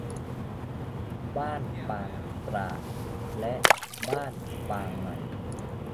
บ้านปางตราด และบ้านปางใหม่